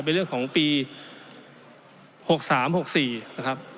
เป็นเรื่องของปี๖๓๖๔นะครับ